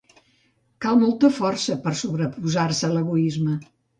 Cal molta força per a sobreposar-se a l'egoisme.